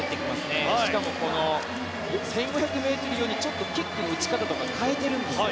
しかも１５００ｍ用にちょっとキックの打ち方とか変えているんです。